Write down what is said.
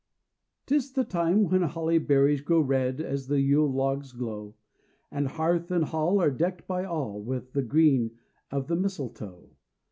'TIS the time when holly berries Grow red as the Yule log's glow, And hearth and hall are decked by all With the green of the mistletoe.